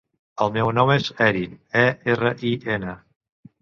El meu nom és Erin: e, erra, i, ena.